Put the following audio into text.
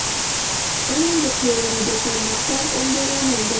علم د ټولني د پرمختګ عمده لامل دی.